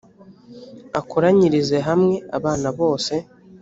akoranyirize hamwe abana bose